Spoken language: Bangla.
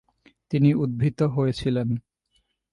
তিনি উদ্ধৃত হয়েছিলেন।